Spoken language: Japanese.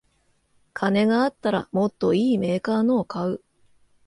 金があったらもっといいメーカーのを買う